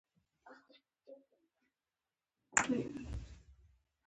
ګرګین وویل ستا نوم مې اورېدلی اوس مې ولیدې.